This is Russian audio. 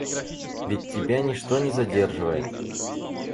Ведь тебя ничто не задерживает?